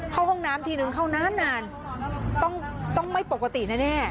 เข้าห้องน้ำทีนึงเข้านานนานต้องไม่ปกติแน่